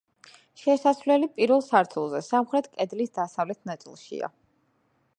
შესასვლელი პირველ სართულზე, სამხრეთ კედლის დასავლეთ ნაწილშია.